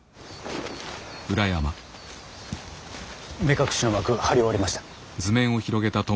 目隠しの幕張り終わりました。